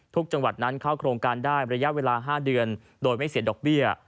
จังหวัดนั้นเข้าโครงการได้ระยะเวลา๕เดือนโดยไม่เสียดอกเบี้ย